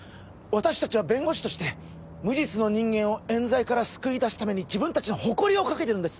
私達は弁護士として無実の人間を冤罪から救い出すために自分達の誇りをかけてるんです